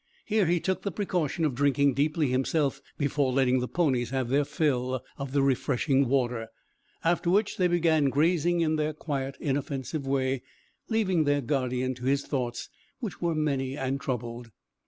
Here he took the precaution of drinking deeply himself before letting the ponies have their fill of the refreshing water, after which they began grazing in their quiet, inoffensive way, leaving their guardian to his thoughts, which were many and troubled.